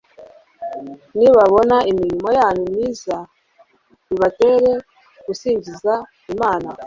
nibabona imirimo yanyu myiza bibatere gusingiza imana